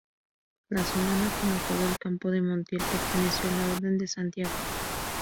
La Solana, como todo el Campo de Montiel, perteneció a la Orden de Santiago.